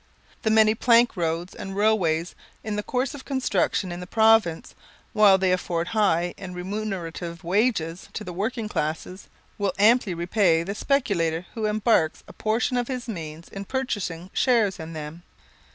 The many plank roads and railways in the course of construction in the province, while they afford high and remunerative wages to the working classes, will amply repay the speculator who embarks a portion of his means in purchasing shares in them.